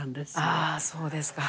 あそうですか。